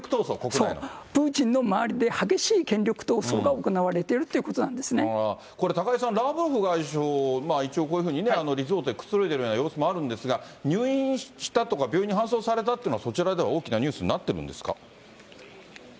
そう、プーチンの周りで激しい権力闘争が行われているというこれ、高井さん、ラブロフ外相、一応こういうふうにね、リゾートでくつろいでいるような様子もあるんですが、入院したとか、病院に搬送されたっていうのは、そちらでは大きなニュースになってるんですか？